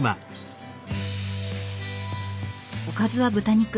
おかずは豚肉。